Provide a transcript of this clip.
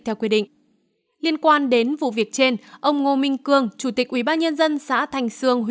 theo quy định liên quan đến vụ việc trên ông ngô minh cương chủ tịch ubnd xã thành sương